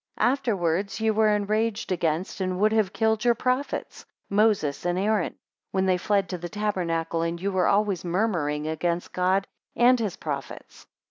14 Afterwards ye were enraged against, and would have killed your prophets, Moses and Aaron, when they fled to the tabernacle, and ye were always murmuring against God and his prophets.